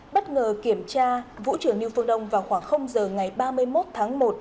bất ngờ kiểm tra vũ trường niu phương đông vào khoảng h ngày ba mươi một tháng một